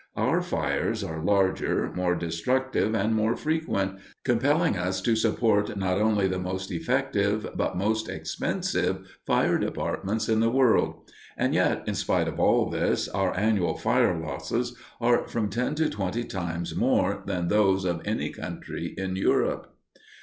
Our fires are larger, more destructive, and more frequent, compelling us to support not only the most effective, but most expensive, fire departments in the world; and yet, in spite of all this, our annual fire losses are from ten to twenty times more than those of any country in Europe.